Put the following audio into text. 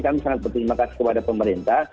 kami sangat berterima kasih kepada pemerintah